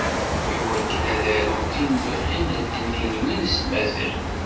I wakken ad arunt tilwiḥin n tnilwin s tmaziɣt.